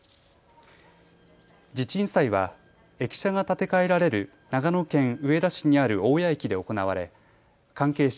地鎮祭は駅舎が建て替えられる長野県上田市にある大屋駅で行われ関係者